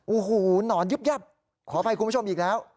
โอ้โหหนอนยึบยับขออภัยคุณผู้ชมอีกแล้ว